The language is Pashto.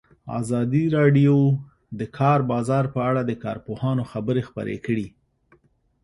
ازادي راډیو د د کار بازار په اړه د کارپوهانو خبرې خپرې کړي.